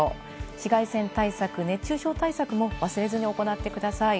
紫外線対策、熱中症対策も忘れずに行ってください。